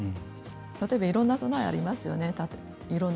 例えばいろんな備えがありますね。